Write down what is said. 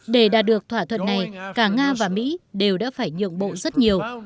để đạt được thỏa thuận này cả nga và mỹ đều đã phải nhượng bộ rất nhiều